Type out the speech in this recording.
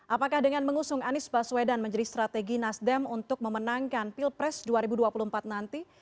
apakah dengan mengusung anies baswedan menjadi strategi nasdem untuk memenangkan pilpres dua ribu dua puluh empat nanti